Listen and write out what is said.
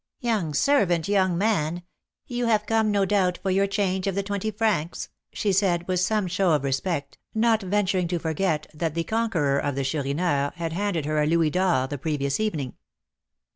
"Your servant, young man; you have come, no doubt, for your change of the twenty francs," she said, with some show of respect, not venturing to forget that the conqueror of the Chourineur had handed her a louis d'or the previous evening.